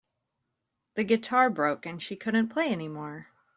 The guitar broke and she couldn't play anymore.